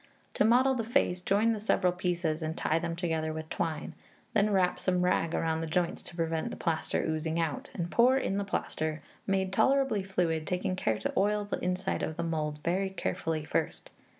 To model the face, join the several pieces, and tie them together with twine; then wrap some rag round the joints, to prevent the plaster oozing out, and pour in the plaster, made tolerably fluid, taking care to oil the inside of the mould very carefully first.